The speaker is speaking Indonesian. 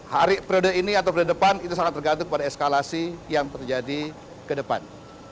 hari periode ini atau periode depan itu sangat tergantung pada eskalasi yang terjadi ke depan